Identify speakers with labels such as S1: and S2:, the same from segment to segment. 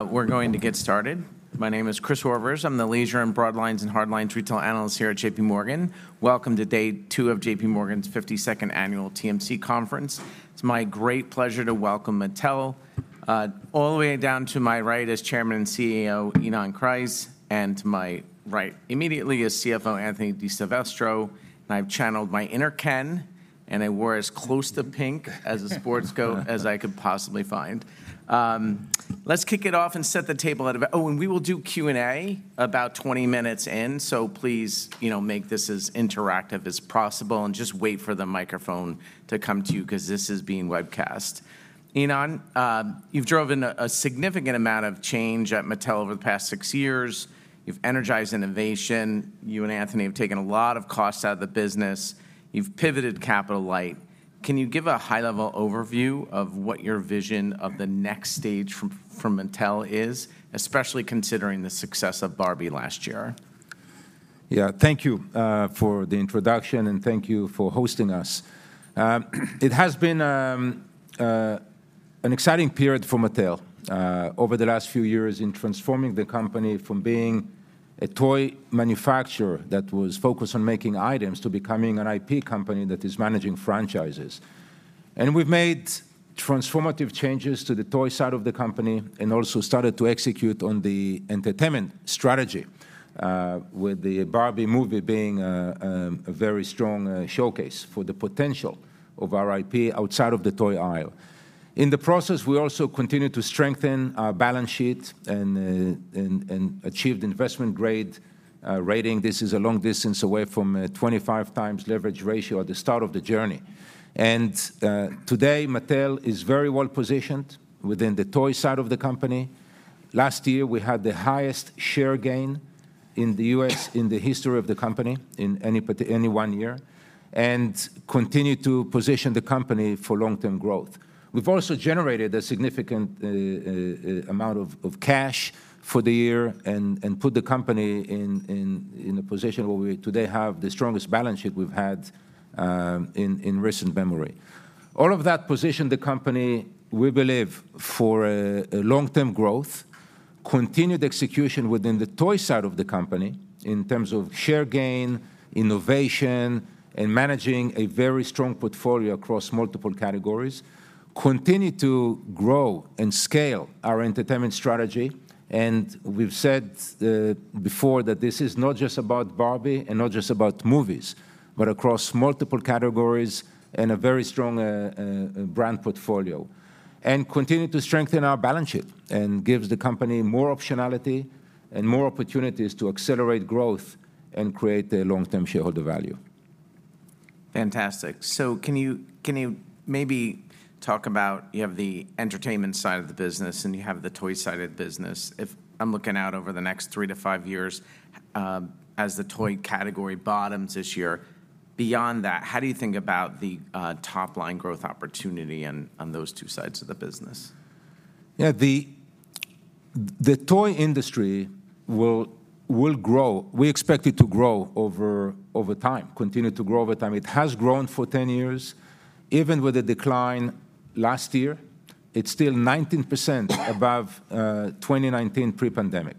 S1: We're going to get started. My name is Chris Horvers. I'm the leisure and broadlines and hardlines retail analyst here at J.P. Morgan. Welcome to day 2 of J.P. Morgan's 52nd annual TMC conference. It's my great pleasure to welcome Mattel all the way down to my right is Chairman and CEO Ynon Kreiz, and to my right immediately is CFO Anthony DiSilvestro. I've channeled my inner Ken, and I wore as close to pink as a sports coat as I could possibly find. Let's kick it off and set the table a little bit. Oh, and we will do Q&A about 20 minutes in, so please, you know, make this as interactive as possible, and just wait for the microphone to come to you 'cause this is being webcast. Ynon, you've driven a significant amount of change at Mattel over the past 6 years. You've energized innovation. You and Anthony have taken a lot of costs out of the business. You've pivoted capital light. Can you give a high-level overview of what your vision of the next stage from Mattel is, especially considering the success of Barbie last year?
S2: Yeah, thank you, for the introduction, and thank you for hosting us. It has been an exciting period for Mattel, over the last few years in transforming the company from being a toy manufacturer that was focused on making items to becoming an IP company that is managing franchises. And we've made transformative changes to the toy side of the company and also started to execute on the entertainment strategy, with the Barbie movie being a very strong showcase for the potential of our IP outside of the toy aisle. In the process, we also continued to strengthen our balance sheet and achieved investment grade rating. This is a long distance away from 25x leverage ratio at the start of the journey. Today, Mattel is very well positioned within the toy side of the company. Last year, we had the highest share gain in the U.S. in the history of the company, in any one year, and continued to position the company for long-term growth. We've also generated a significant amount of cash for the year and put the company in a position where we today have the strongest balance sheet we've had in recent memory. All of that positioned the company, we believe, for long-term growth, continued execution within the toy side of the company in terms of share gain, innovation, and managing a very strong portfolio across multiple categories, continued to grow and scale our entertainment strategy. We've said before that this is not just about Barbie and not just about movies, but across multiple categories and a very strong brand portfolio, and continued to strengthen our balance sheet, and gives the company more optionality and more opportunities to accelerate growth and create a long-term shareholder value.
S1: Fantastic. So can you maybe talk about, you have the entertainment side of the business, and you have the toy side of the business. If I'm looking out over the next three to five years, as the toy category bottoms this year, beyond that, how do you think about the top-line growth opportunity on those two sides of the business?
S2: Yeah, the toy industry will grow. We expect it to grow over time, continue to grow over time. It has grown for 10 years. Even with the decline last year, it's still 19% above 2019 pre-pandemic.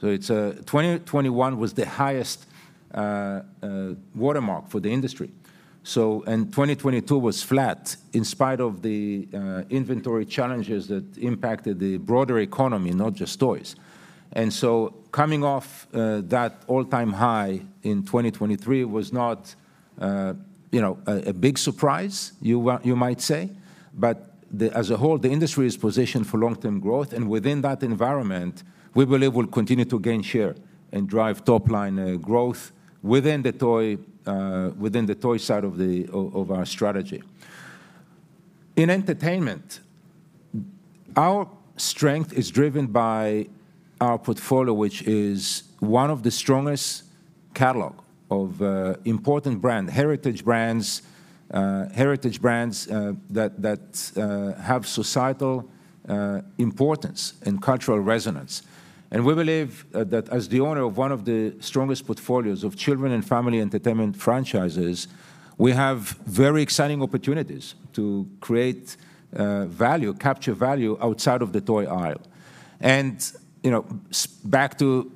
S2: So it's 2021 was the highest watermark for the industry, so and 2022 was flat in spite of the inventory challenges that impacted the broader economy, not just toys. And so coming off that all-time high in 2023 was not you know, a big surprise, you might say. But as a whole, the industry is positioned for long-term growth, and within that environment, we believe we'll continue to gain share and drive top-line growth within the toy side of our strategy. In entertainment, our strength is driven by our portfolio, which is one of the strongest catalog of important brand, heritage brands, heritage brands that that have societal importance and cultural resonance. And we believe that as the owner of one of the strongest portfolios of children and family entertainment franchises, we have very exciting opportunities to create value, capture value outside of the toy aisle. And, you know, back to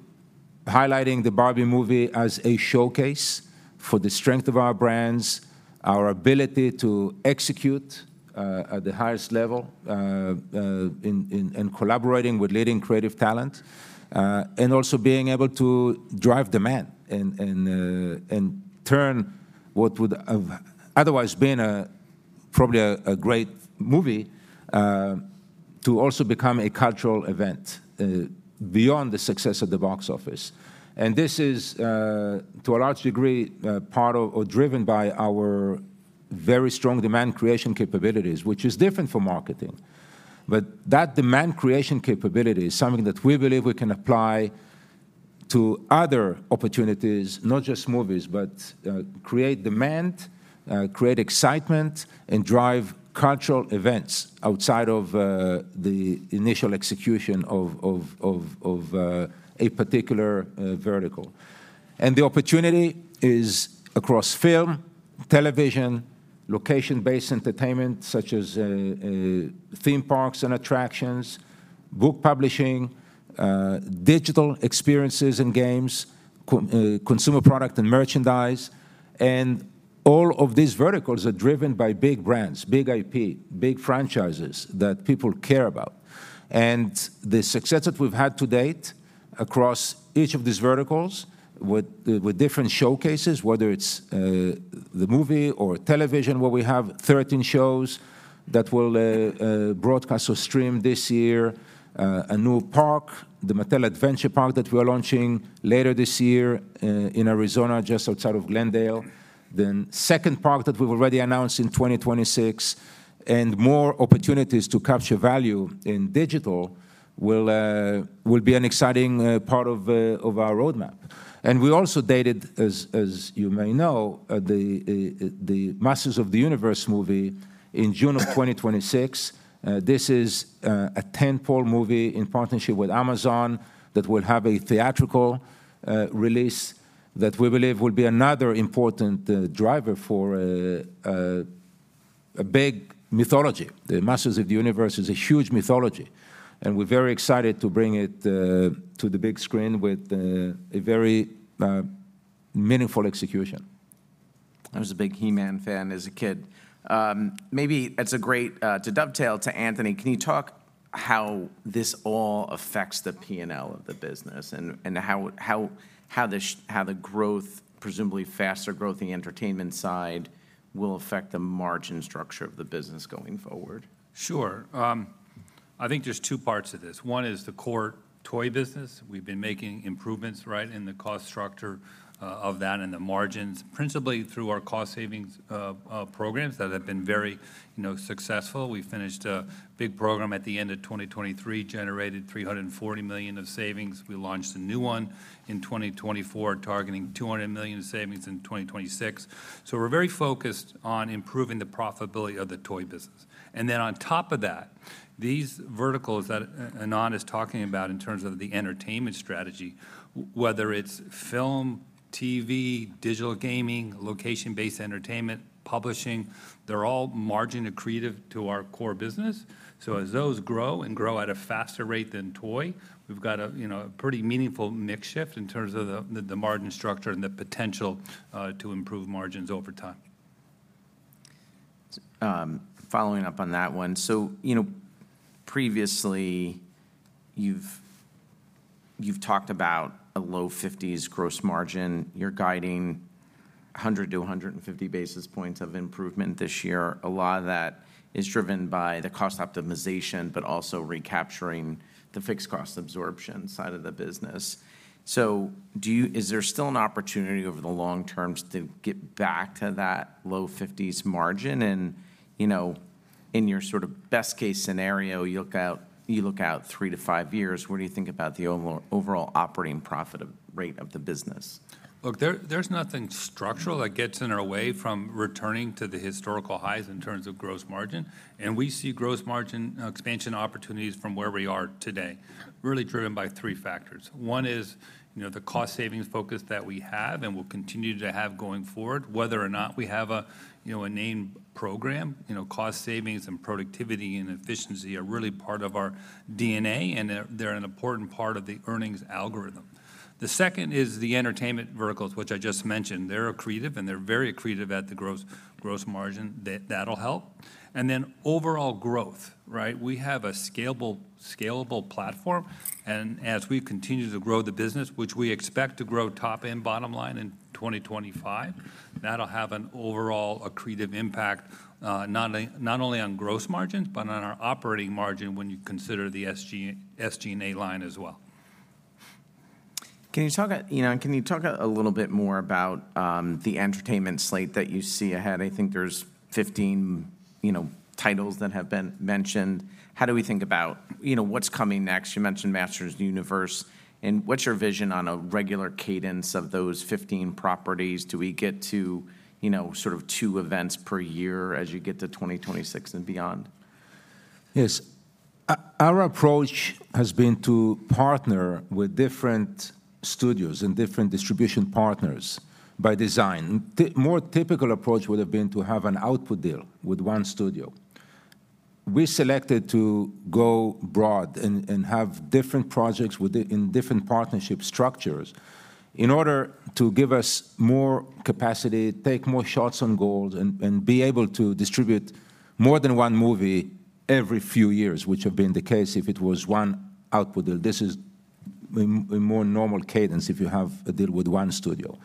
S2: highlighting the Barbie movie as a showcase for the strength of our brands, our ability to execute at the highest level in collaborating with leading creative talent, and also being able to drive demand and turn what would have otherwise been a, probably a great movie to also become a cultural event beyond the success of the box office. This is, to a large degree, part of or driven by our very strong demand creation capabilities, which is different from marketing. But that demand creation capability is something that we believe we can apply to other opportunities, not just movies, but create demand, create excitement, and drive cultural events outside of the initial execution of a particular vertical. And the opportunity is across film, television, location-based entertainment, such as theme parks and attractions, book publishing, digital experiences and games, consumer product and merchandise. And all of these verticals are driven by big brands, big IP, big franchises that people care about. And the success that we've had to date across each of these verticals with the, with different showcases, whether it's the movie or television, where we have 13 shows that will broadcast or stream this year. A new park, the Mattel Adventure Park, that we are launching later this year in Arizona, just outside of Glendale. The second park that we've already announced in 2026, and more opportunities to capture value in digital will be an exciting part of our roadmap. And we also dated, as you may know, the Masters of the Universe movie in June of 2026. This is a tentpole movie in partnership with Amazon that will have a theatrical release that we believe will be another important driver for a big mythology. The Masters of the Universe is a huge mythology, and we're very excited to bring it to the big screen with a very meaningful execution.
S1: I was a big He-Man fan as a kid. To dovetail to Anthony, can you talk how this all affects the P&L of the business, and how the growth, presumably faster growth in the entertainment side, will affect the margin structure of the business going forward?
S3: Sure. I think there's two parts to this. One is the core toy business. We've been making improvements, right, in the cost structure of that and the margins, principally through our cost savings programs that have been very, you know, successful. We finished a big program at the end of 2023, generated $340 million of savings. We launched a new one in 2024, targeting $200 million in savings in 2026. So we're very focused on improving the profitability of the toy business. And then on top of that, these verticals that Ynon is talking about in terms of the entertainment strategy, whether it's film, TV, digital gaming, location-based entertainment, publishing, they're all margin accretive to our core business. As those grow and grow at a faster rate than toy, we've got a, you know, a pretty meaningful mix shift in terms of the margin structure and the potential to improve margins over time.
S1: Following up on that one, so, you know, previously, you've, you've talked about a low fifties gross margin. You're guiding 100-150 basis points of improvement this year. A lot of that is driven by the cost optimization, but also recapturing the fixed cost absorption side of the business. So do you, is there still an opportunity over the long term to get back to that low fifties margin? And, you know, in your sort of best-case scenario, you look out, you look out 3 years-5 years, what do you think about the overall operating profit or rate of the business?
S3: Look, there's nothing structural that gets in our way from returning to the historical highs in terms of gross margin, and we see gross margin expansion opportunities from where we are today, really driven by three factors. One is, you know, the cost-savings focus that we have and will continue to have going forward. Whether or not we have a, you know, a named program, you know, cost savings and productivity and efficiency are really part of our DNA, and they're, they're an important part of the earnings algorithm. The second is the entertainment verticals, which I just mentioned. They're accretive, and they're very accretive at the gross, gross margin. That, that'll help. And then overall growth, right? We have a scalable platform, and as we continue to grow the business, which we expect to grow top and bottom line in 2025, that'll have an overall accretive impact, not only on gross margins, but on our operating margin when you consider the SG&A line as well.
S1: Can you talk, you know, a little bit more about the entertainment slate that you see ahead? I think there's 15, you know, titles that have been mentioned. How do we think about, you know, what's coming next? You mentioned Masters of the Universe, and what's your vision on a regular cadence of those 15 properties? Do we get to, you know, sort of 2 events per year as you get to 2026 and beyond?
S2: Yes. Our approach has been to partner with different studios and different distribution partners by design. More typical approach would have been to have an output deal with one studio. We selected to go broad and have different projects in different partnership structures in order to give us more capacity, take more shots on goal, and be able to distribute more than one movie every few years, which would have been the case if it was one output deal. This is a more normal cadence if you have a deal with one studio.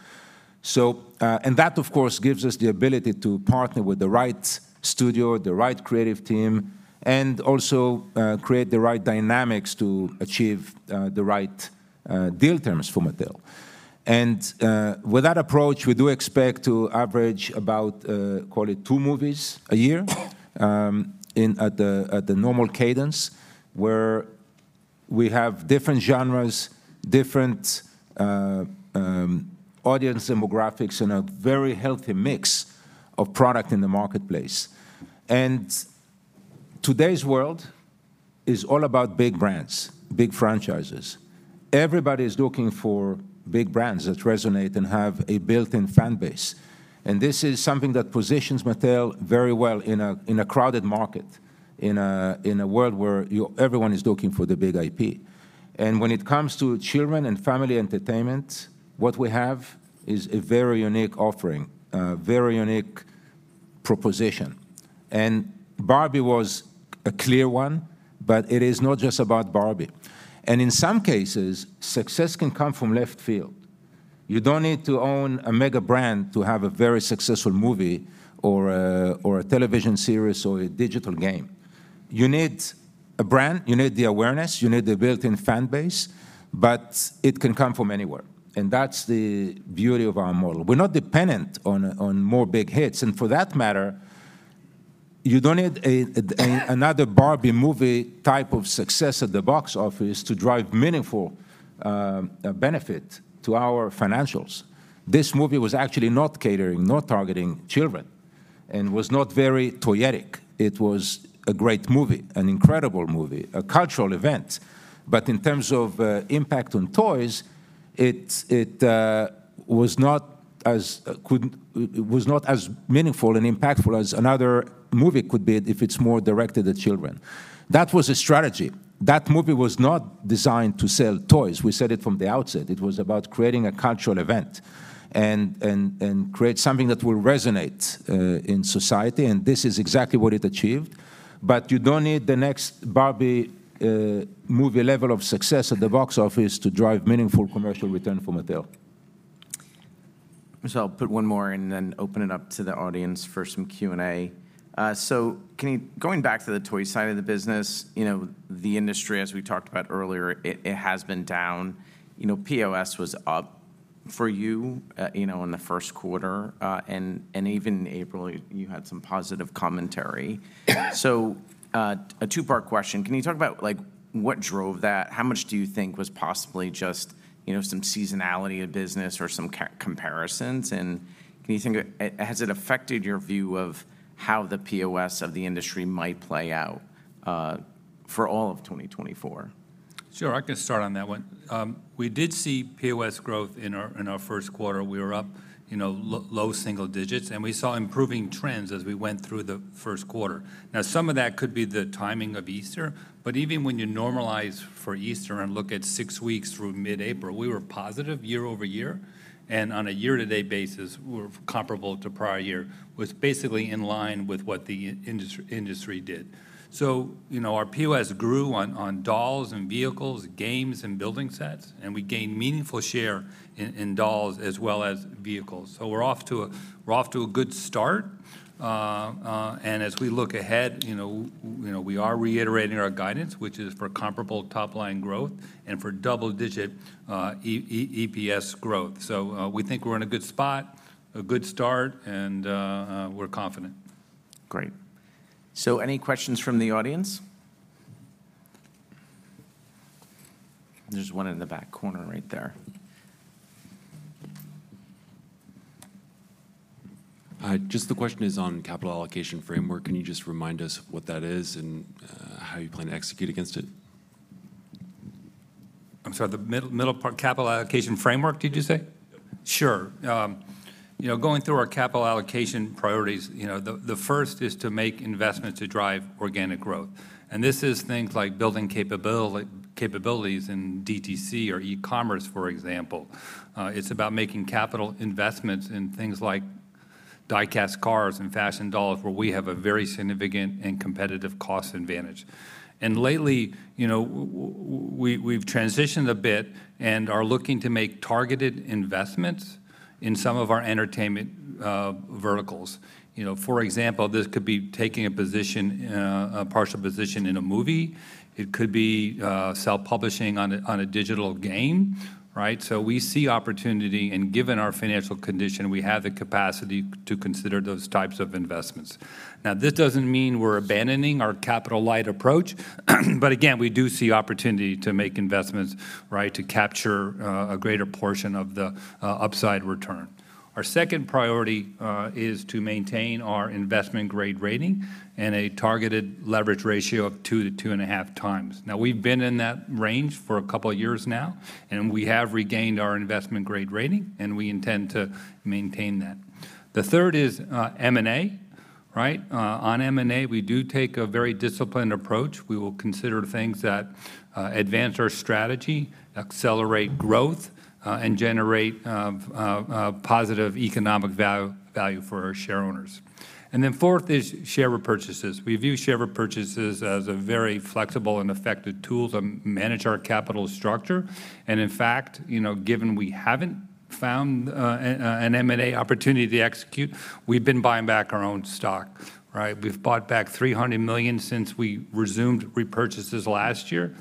S2: So, and that, of course, gives us the ability to partner with the right studio, the right creative team, and also create the right dynamics to achieve the right deal terms for Mattel. With that approach, we do expect to average about, call it two movies a year in, at the normal cadence, where we have different genres, different audience demographics, and a very healthy mix of product in the marketplace. And today's world is all about big brands, big franchises. Everybody's looking for big brands that resonate and have a built-in fan base, and this is something that positions Mattel very well in a crowded market, in a world where everyone is looking for the big IP. And when it comes to children and family entertainment, what we have is a very unique offering, a very unique proposition. And Barbie was a clear one, but it is not just about Barbie. And in some cases, success can come from left field. You don't need to own a mega brand to have a very successful movie or a television series or a digital game. You need a brand, you need the awareness, you need the built-in fan base, but it can come from anywhere, and that's the beauty of our model. We're not dependent on more big hits, and for that matter, you don't need another Barbie movie type of success at the box office to drive meaningful benefit to our financials. This movie was actually not catering, not targeting children, and was not very toyetic. It was a great movie, an incredible movie, a cultural event, but in terms of impact on toys, it was not as meaningful and impactful as another movie could be if it's more directed at children. That was a strategy. That movie was not designed to sell toys. We said it from the outset. It was about creating a cultural event and create something that will resonate in society, and this is exactly what it achieved. But you don't need the next Barbie movie level of success at the box office to drive meaningful commercial return for Mattel.
S1: So I'll put one more in, then open it up to the audience for some Q&A. So can you, going back to the toy side of the business, you know, the industry, as we talked about earlier, it has been down. You know, POS was up for you, you know, in the first quarter, and even in April, you had some positive commentary. So, a two-part question: Can you talk about, like, what drove that? How much do you think was possibly just, you know, some seasonality of business or some comparisons? And can you think of, has it affected your view of how the POS of the industry might play out, for all of 2024?
S3: Sure, I can start on that one. We did see POS growth in our first quarter. We were up, you know, low single digits, and we saw improving trends as we went through the first quarter. Now, some of that could be the timing of Easter, but even when you normalize for Easter and look at six weeks through mid-April, we were positive year-over-year, and on a year-to-date basis, we're comparable to prior year. Was basically in line with what the industry did. So, you know, our POS grew on dolls and vehicles, games and building sets, and we gained meaningful share in dolls as well as vehicles. So we're off to a good start. and as we look ahead, you know, you know, we are reiterating our guidance, which is for comparable top-line growth and for double-digit EPS growth. So, we think we're in a good spot, a good start, and we're confident.
S1: Great. So any questions from the audience? There's one in the back corner right there.
S4: Hi, just the question is on capital allocation framework. Can you just remind us what that is and how you plan to execute against it?
S3: I'm sorry, the middle part, capital allocation framework, did you say?
S4: Yep.
S3: Sure. You know, going through our capital allocation priorities, you know, the first is to make investments to drive organic growth, and this is things like building capabilities in DTC or e-commerce, for example. It's about making capital investments in things like die-cast cars and fashion dolls, where we have a very significant and competitive cost advantage. Lately, you know, we've transitioned a bit and are looking to make targeted investments in some of our entertainment verticals. You know, for example, this could be taking a position, a partial position in a movie. It could be self-publishing on a digital game, right? So we see opportunity, and given our financial condition, we have the capacity to consider those types of investments. Now, this doesn't mean we're abandoning our capital-light approach, but again, we do see opportunity to make investments, right, to capture a greater portion of the upside return. Our second priority is to maintain our investment-grade rating and a targeted leverage ratio of 2x-2.5x. Now, we've been in that range for a couple of years now, and we have regained our investment-grade rating, and we intend to maintain that. The third is M&A, right? On M&A, we do take a very disciplined approach. We will consider things that advance our strategy, accelerate growth, and generate a positive economic value for our shareowners. And then fourth is share repurchases. We view share repurchases as a very flexible and effective tool to manage our capital structure, and in fact, you know, given we haven't found an M&A opportunity to execute, we've been buying back our own stock, right? We've bought back $300 million since we resumed repurchases last year.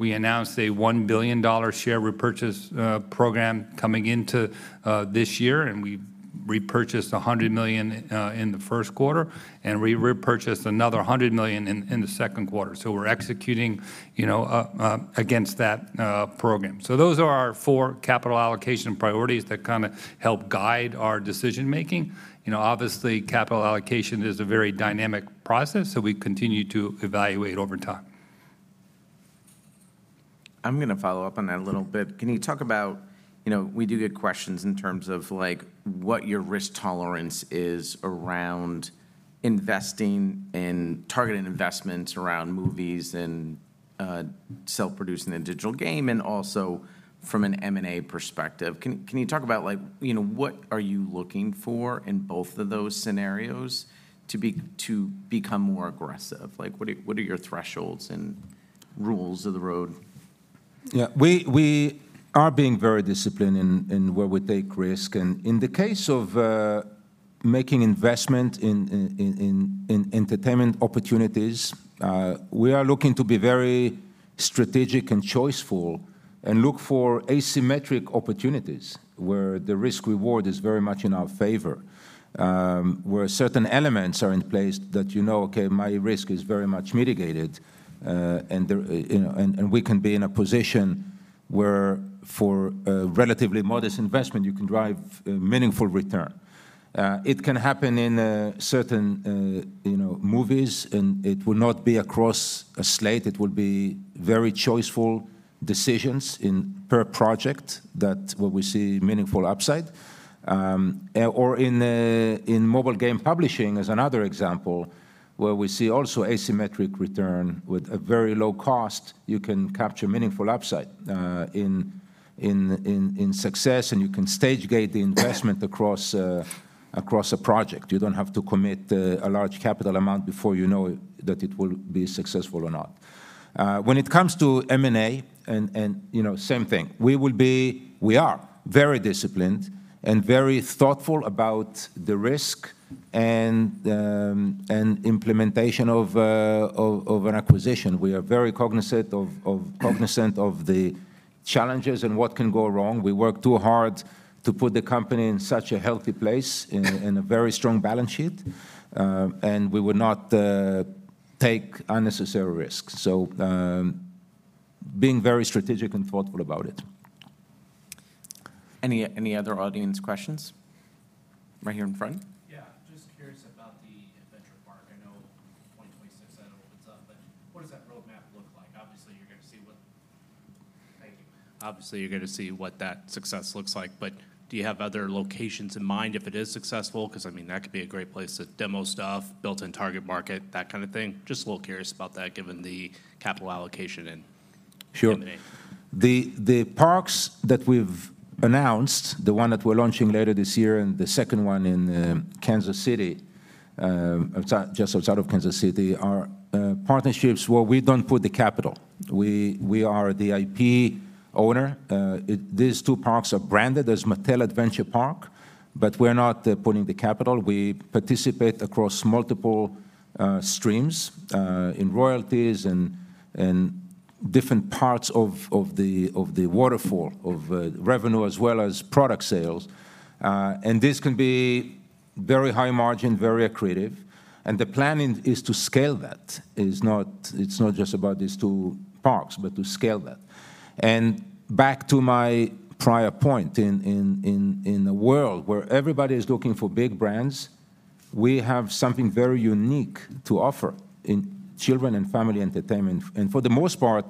S3: We announced a $1 billion share repurchase program coming into this year, and we repurchased $100 million in the first quarter, and we repurchased another $100 million in the second quarter. So we're executing, you know, against that program. So those are our four capital allocation priorities that kind of help guide our decision making. You know, obviously, capital allocation is a very dynamic process, so we continue to evaluate over time.
S1: I'm gonna follow up on that a little bit. Can you talk about, you know, we do get questions in terms of, like, what your risk tolerance is around investing in targeted investments around movies and, self-producing a digital game, and also from an M&A perspective. Can you talk about like, you know, what are you looking for in both of those scenarios to become more aggressive? Like, what are your thresholds and rules of the road?
S2: Yeah. We are being very disciplined in where we take risk, and in the case of making investment in entertainment opportunities, we are looking to be very strategic and choiceful and look for asymmetric opportunities, where the risk-reward is very much in our favor. Where certain elements are in place that you know, "Okay, my risk is very much mitigated," and there, you know and we can be in a position where for a relatively modest investment, you can drive a meaningful return. It can happen in certain, you know, movies, and it will not be across a slate. It will be very choiceful decisions in per project that where we see meaningful upside. Or in mobile game publishing as another example, where we see also asymmetric return with a very low cost, you can capture meaningful upside in success, and you can stage gate the investment across a project. You don't have to commit a large capital amount before you know that it will be successful or not. When it comes to M&A, you know, same thing. We are very disciplined and very thoughtful about the risk and implementation of an acquisition. We are very cognizant of the challenges and what can go wrong. We worked too hard to put the company in such a healthy place, a very strong balance sheet, and we would not take unnecessary risks. So, being very strategic and thoughtful about it.
S1: Any, any other audience questions? Right here in front.
S5: Yeah, just curious about the adventure park. I know 2026, I don't know what it's up, but what does that roadmap look like? Obviously, you're going to see what. Thank you.
S1: Obviously, you're going to see what that success looks like, but do you have other locations in mind if it is successful? 'Cause, I mean, that could be a great place to demo stuff, built-in target market, that kind of thing. Just a little curious about that, given the capital allocation and-
S2: Sure...
S1: M&A.
S2: The parks that we've announced, the one that we're launching later this year and the second one in Kansas City, outside, just outside of Kansas City, are partnerships where we don't put the capital. We are the IP owner. These two parks are branded as Mattel Adventure Park, but we're not putting the capital. We participate across multiple streams in royalties and different parts of the waterfall of revenue as well as product sales. And this can be very high margin, very accretive, and the planning is to scale that. It is not—it's not just about these two parks, but to scale that. Back to my prior point, in a world where everybody is looking for big brands, we have something very unique to offer in children and family entertainment, and for the most part,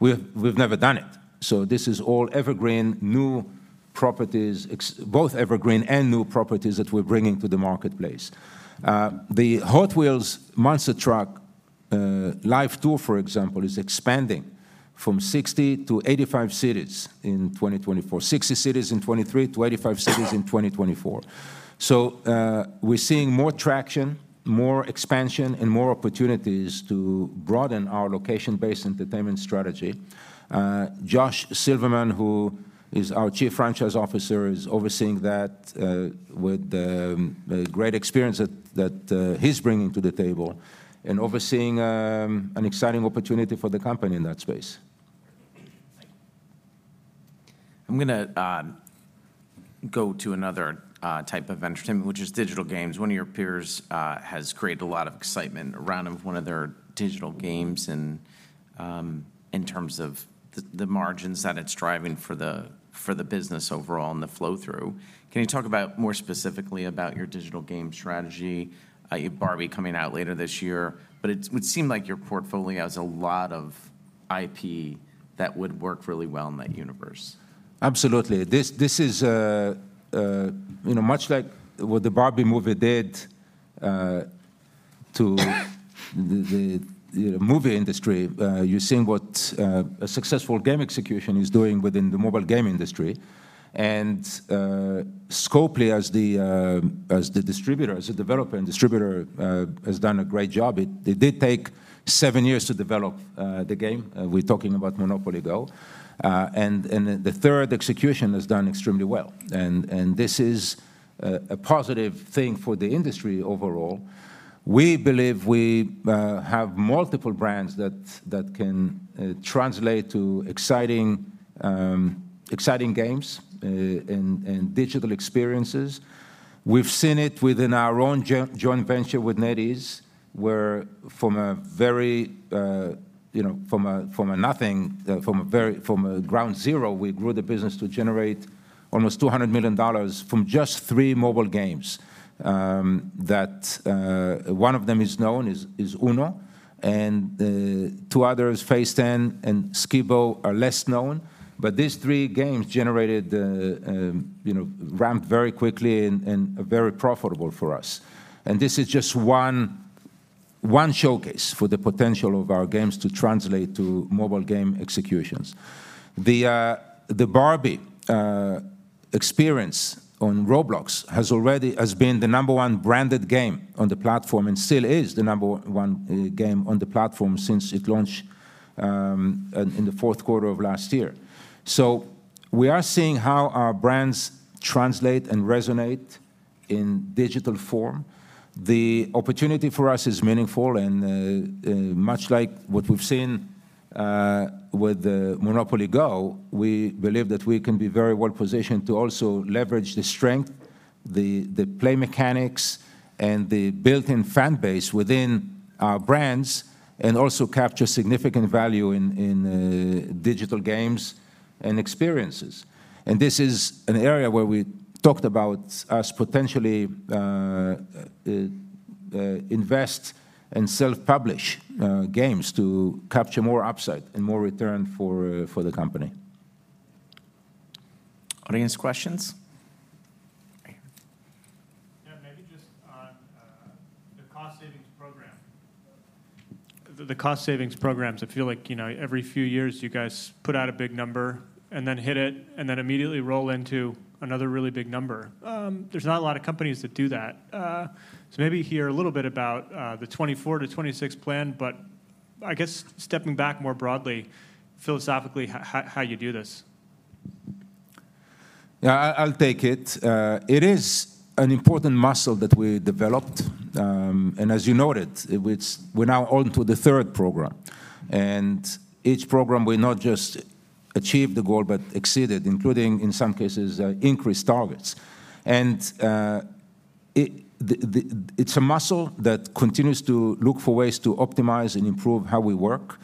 S2: we've never done it. So this is all both evergreen and new properties that we're bringing to the marketplace. The Hot Wheels Monster Trucks Live Tour, for example, is expanding from 60 to 85 cities in 2024. 60 cities in 2023, 85 cities in 2024. So, we're seeing more traction, more expansion, and more opportunities to broaden our location-based entertainment strategy. Josh Silverman, who is our Chief Franchise Officer, is overseeing that, with the great experience that he's bringing to the table and overseeing an exciting opportunity for the company in that space.
S5: Thank you.
S1: I'm gonna go to another type of entertainment, which is digital games. One of your peers has created a lot of excitement around one of their digital games and, in terms of the margins that it's driving for the business overall and the flow-through. Can you talk about more specifically about your digital game strategy, Barbie coming out later this year? But it would seem like your portfolio has a lot of IP that would work really well in that universe.
S2: Absolutely. This, this is, you know, much like what the Barbie movie did, to the, the, the movie industry, you're seeing what, a successful game execution is doing within the mobile game industry. And, Scopely as the, as the distributor, as a developer and distributor, has done a great job. It, it did take seven years to develop, the game. We're talking about Monopoly GO! and, and the third execution has done extremely well. And, and this is, a positive thing for the industry overall. We believe we, have multiple brands that, that can, translate to exciting, exciting games, and, and digital experiences. We've seen it within our own joint venture with NetEase, where from a very, you know, from a nothing, from a ground zero, we grew the business to generate almost $200 million from just three mobile games. That one of them is known, is UNO, and the two others, Phase 10 and Skip-Bo, are less known. But these three games generated, you know, ramped very quickly and are very profitable for us. And this is just one showcase for the potential of our games to translate to mobile game executions. The Barbie experience on Roblox has already been the number one branded game on the platform, and still is the number one game on the platform since it launched in the fourth quarter of last year. So, we are seeing how our brands translate and resonate in digital form. The opportunity for us is meaningful, and much like what we've seen with Monopoly GO! We believe that we can be very well positioned to also leverage the strength, the play mechanics, and the built-in fan base within our brands, and also capture significant value in digital games and experiences. And this is an area where we talked about us potentially invest and self-publish games to capture more upside and more return for the company.
S1: Audience questions?
S6: Yeah, maybe just on the cost savings program. The cost savings programs, I feel like, you know, every few years you guys put out a big number and then hit it, and then immediately roll into another really big number. There's not a lot of companies that do that. So maybe hear a little bit about the 2024-2026 plan, but I guess stepping back more broadly, philosophically, how you do this?
S2: Yeah, I, I'll take it. It is an important muscle that we developed. And as you noted, it's-- we're now on to the third program, and each program we not just achieved the goal, but exceeded, including, in some cases, increased targets. And it, the, the, it's a muscle that continues to look for ways to optimize and improve how we work.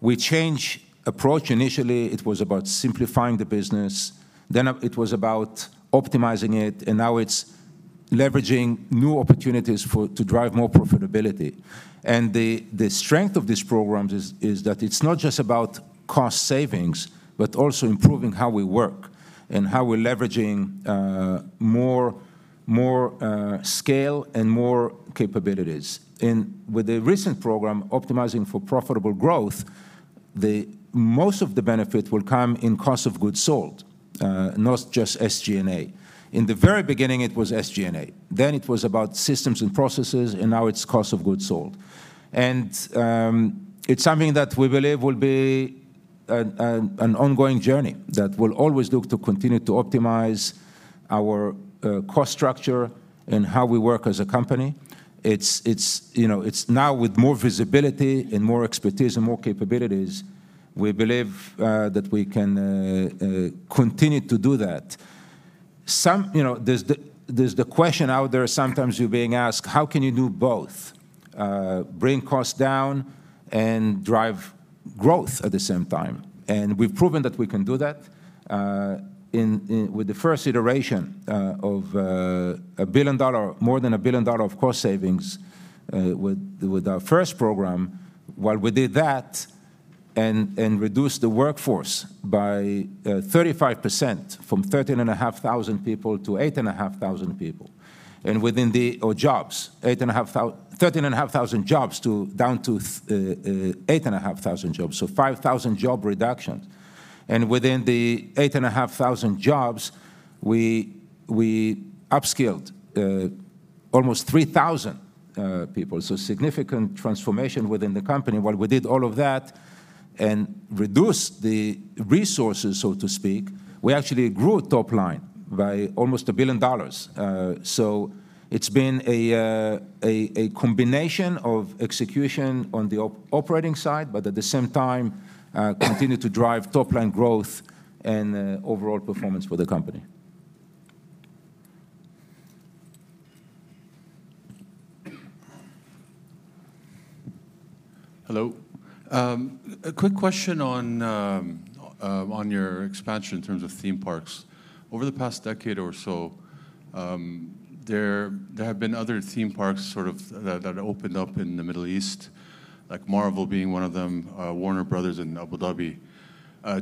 S2: We change approach. Initially, it was about simplifying the business, then it was about optimizing it, and now it's leveraging new opportunities to drive more profitability. And the strength of these programs is that it's not just about cost savings, but also improving how we work and how we're leveraging more scale and more capabilities. With the recent program, Optimizing for Profitable Growth, the most of the benefit will come in cost of goods sold, not just SG&A. In the very beginning, it was SG&A, then it was about systems and processes, and now it's cost of goods sold. It's something that we believe will be an ongoing journey, that we'll always look to continue to optimize our cost structure and how we work as a company. It's, you know, it's now with more visibility and more expertise and more capabilities, we believe that we can continue to do that. You know, there's the question out there, sometimes you're being asked: How can you do both, bring costs down and drive growth at the same time? And we've proven that we can do that in with the first iteration of more than $1 billion of cost savings with our first program, while we did that and reduced the workforce by 35% from 13,500 people to 8,500 people. And within the or jobs, 13,500 jobs down to 8,500 jobs, so 5,000 job reductions. And within the 8,500 jobs, we upskilled almost 3,000 people, so significant transformation within the company. While we did all of that and reduced the resources, so to speak, we actually grew top line by almost $1 billion. So it's been a combination of execution on the operating side, but at the same time, continue to drive top-line growth and overall performance for the company.
S7: Hello. A quick question on your expansion in terms of theme parks. Over the past decade or so, there have been other theme parks, sort of, that opened up in the Middle East, like Marvel being one of them, Warner Bros. in Abu Dhabi.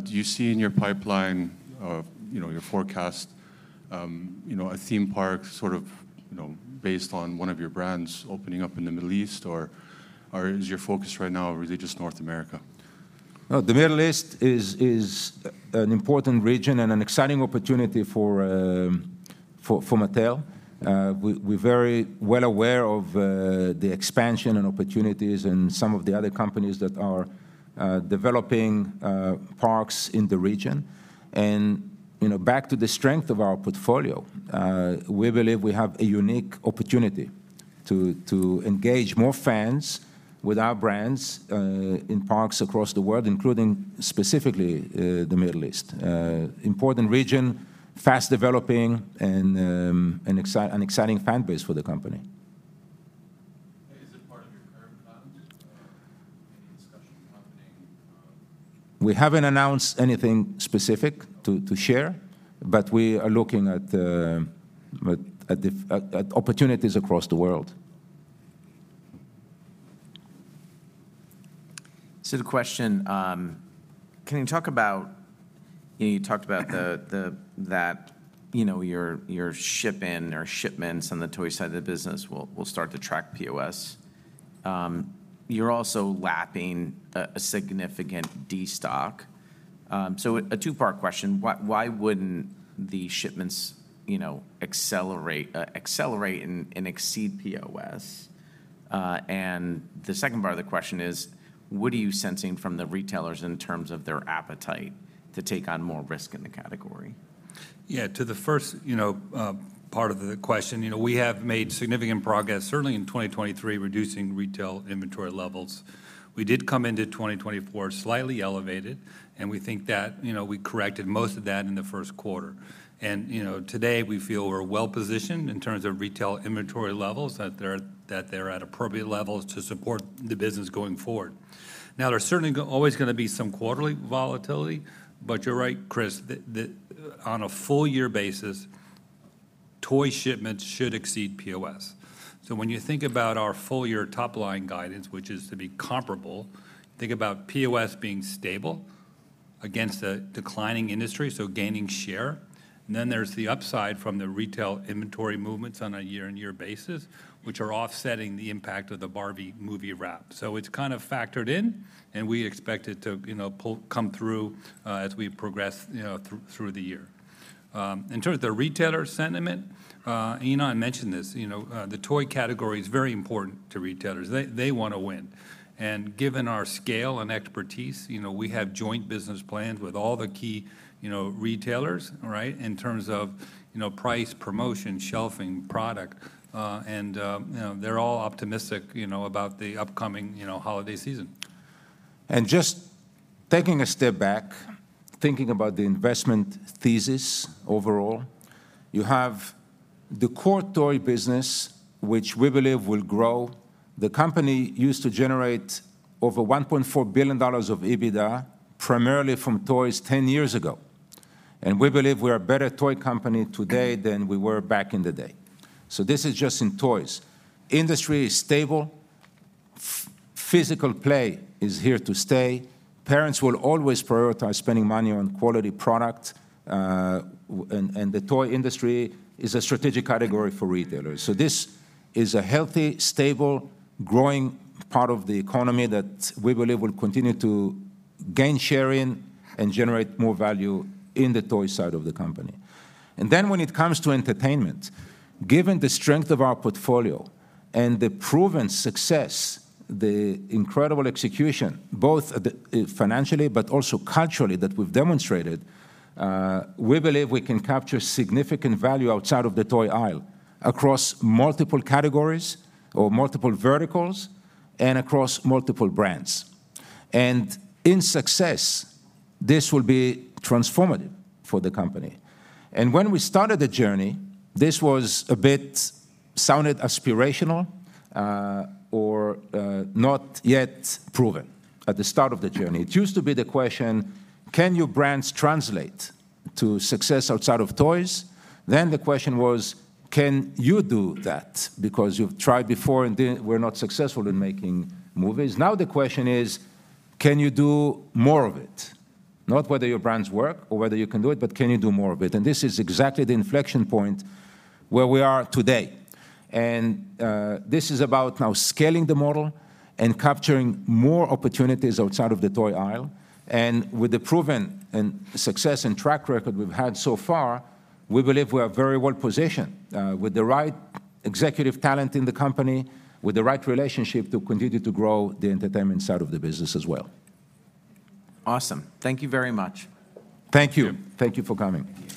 S7: Do you see in your pipeline, or, you know, your forecast, you know, a theme park, sort of, you know, based on one of your brands opening up in the Middle East, or is your focus right now really just North America?
S2: Well, the Middle East is an important region and an exciting opportunity for Mattel. We're very well aware of the expansion and opportunities and some of the other companies that are developing parks in the region. And, you know, back to the strength of our portfolio, we believe we have a unique opportunity to engage more fans with our brands in parks across the world, including specifically the Middle East. Important region, fast developing, and an exciting fan base for the company. We haven't announced anything specific to share, but we are looking at opportunities across the world.
S1: So, the question, can you talk about, you know, you talked about that, you know, your shipments on the toy side of the business will start to track POS. You're also lapping a significant destock. So, a two-part question: Why wouldn't the shipments, you know, accelerate and exceed POS? And the second part of the question is: What are you sensing from the retailers in terms of their appetite to take on more risk in the category?
S3: Yeah, to the first, you know, part of the question, you know, we have made significant progress, certainly in 2023, reducing retail inventory levels. We did come into 2024 slightly elevated, and we think that, you know, we corrected most of that in the first quarter. And, you know, today we feel we're well-positioned in terms of retail inventory levels, that they're at appropriate levels to support the business going forward. Now, there's certainly always gonna be some quarterly volatility, but you're right, Chris, the on a full-year basis, toy shipments should exceed POS. So, when you think about our full-year top-line guidance, which is to be comparable, think about POS being stable against a declining industry, so gaining share. And then there's the upside from the retail inventory movements on a year-on-year basis, which are offsetting the impact of the Barbie movie wrap. So it's kind of factored in, and we expect it to, you know, come through as we progress, you know, through the year. In terms of the retailer sentiment, Ynon mentioned this. You know, the toy category is very important to retailers. They wanna win. And given our scale and expertise, you know, we have joint business plans with all the key, you know, retailers, right? In terms of, you know, price, promotion, shelving, product, and, you know, they're all optimistic, you know, about the upcoming, you know, holiday season.
S2: And just taking a step back, thinking about the investment thesis overall, you have the core toy business, which we believe will grow. The company used to generate over $1.4 billion of EBITDA, primarily from toys ten years ago, and we believe we're a better toy company today than we were back in the day. So, this is just in toys. Industry is stable. Physical play is here to stay. Parents will always prioritize spending money on quality product, and the toy industry is a strategic category for retailers. So, this is a healthy, stable, growing part of the economy that we believe will continue to gain share in and generate more value in the toy side of the company. And then when it comes to entertainment, given the strength of our portfolio and the proven success, the incredible execution, both financially but also culturally, that we've demonstrated, we believe we can capture significant value outside of the toy aisle across multiple categories or multiple verticals and across multiple brands. In success, this will be transformative for the company. When we started the journey, this was a bit sounded aspirational or not yet proven at the start of the journey. It used to be the question: Can your brands translate to success outside of toys? Then the question was: Can you do that? Because you've tried before and didn't, were not successful in making movies. Now, the question is: Can you do more of it? Not whether your brands work or whether you can do it, but can you do more of it? This is exactly the inflection point where we are today. This is about now scaling the model and capturing more opportunities outside of the toy aisle. With the proven and success and track record we've had so far, we believe we are very well-positioned, with the right executive talent in the company, with the right relationship to continue to grow the entertainment side of the business as well.
S1: Awesome. Thank you very much.
S2: Thank you. Thank you for coming.